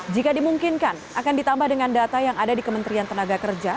jika dimungkinkan akan ditambah dengan data yang ada di kementerian tenaga kerja